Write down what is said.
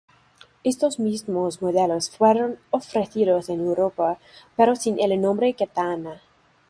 Estos mismos modelos fueron ofrecidos en Europa, pero sin el nombre Katana.